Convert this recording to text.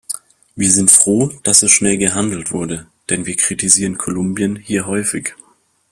Wir sind froh, dass so schnell gehandelt wurde, denn wir kritisieren Kolumbien hier häufig.